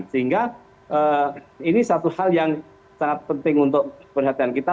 sehingga ini satu hal yang sangat penting untuk perhatian kita